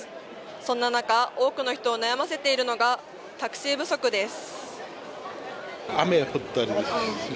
そんな中、多くの人を悩ませているのがタクシー不足です。